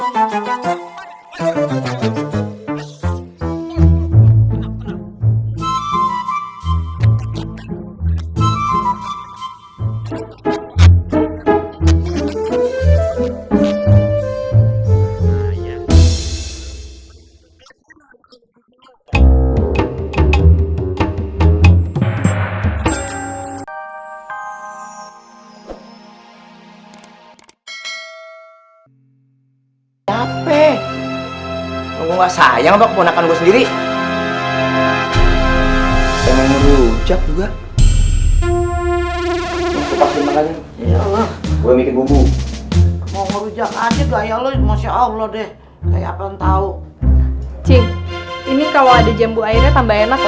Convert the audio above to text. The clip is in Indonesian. sampai jumpa di video selanjutnya